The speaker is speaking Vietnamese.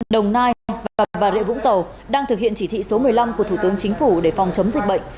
đồng nai và bà rịa vũng tàu đang thực hiện chỉ thị số một mươi năm của thủ tướng chính phủ để phòng chống dịch bệnh